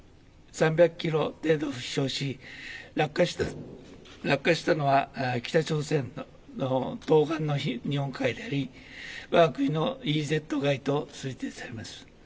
３００キロ程度飛しょうし、落下したのは北朝鮮の東岸の日本海であり、わが国のＥＥＺ外と推定されます。